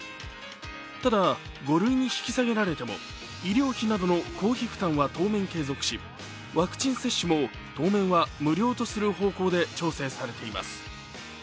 ただ５類に引き下げられても医療費などの公費負担は当面継続しワクチン接種も当面は無料とする方向で調整されています。